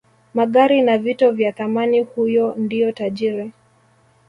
magari na vito vya thamani huyo ndio tajiri